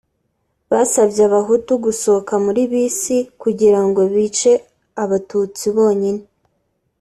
Basabye Abahutu gusohoka muri bisi kugira ngo bice Abatutsi bonyine